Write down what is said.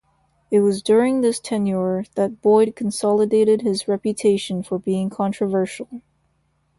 It was during this tenure that Boyd consolidated his reputation for being controversial.